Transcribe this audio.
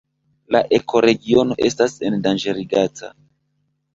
La ekoregiono estas endanĝerigata.